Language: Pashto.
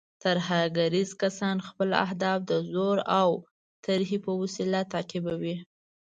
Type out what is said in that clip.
ترهګریز کسان خپل اهداف د زور او ترهې په وسیله تعقیبوي.